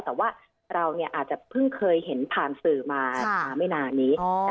แต่ว่าเราอาจจะเพิ่งเคยเห็นผ่านสื่อมาไม่นานนี้